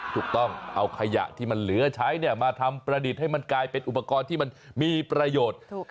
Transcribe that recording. ต้องเอาขยะที่มันเหลือใช้มาทำประดิษฐ์ให้มันกลายเป็นอุปกรณ์ที่มันมีประโยชน์